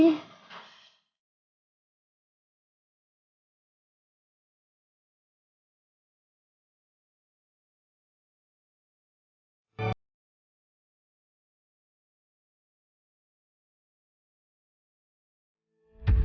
nanti mama ceritain semuanya